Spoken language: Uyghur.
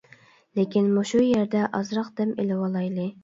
لېكىن، مۇشۇ يەردە ئازراق دەم ئېلىۋالايلى.